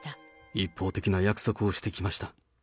一方的な約束をしてきました。